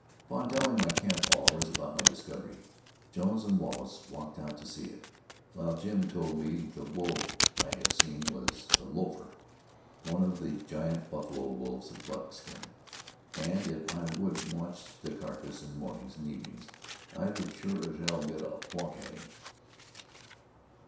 Upon telling my camp fellows about my discovery, Jones and Wallace walked out to see it, while Jim told me the wolf I had seen was a "lofer," one of the giant buffalo wolves of Buckskin; and if I would watch the carcass in the mornings and evenings, I would "shore as hell get a plunk at him."